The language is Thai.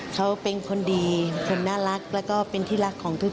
เขาเป็นคนดีคนน่ารักแล้วก็เป็นที่รักของทุกคน